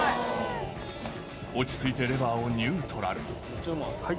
落ち着いてレバーをニュートラル。